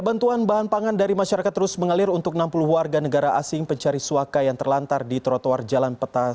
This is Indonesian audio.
bantuan bahan pangan dari masyarakat terus mengalir untuk enam puluh warga negara asing pencari suaka yang terlantar di trotoar jalan peta